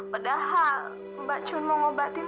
padahal mbak cun mau ngobatin